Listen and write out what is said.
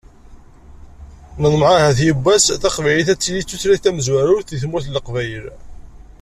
Neḍmeɛ ahat yiwwas, taqbaylit ad tili d tutlayt tamezwarut deg tmurt n Leqbayel.